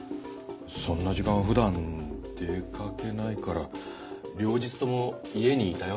そんな時間普段出掛けないから両日とも家にいたよ。